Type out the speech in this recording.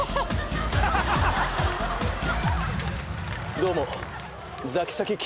どうも！